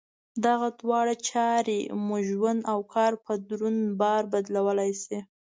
دغه دواړه چارې مو ژوند او کار په دروند بار بدلولای شي.